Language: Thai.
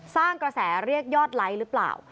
สร้างกระแสเรียกยอดไลค์หรือเปล่า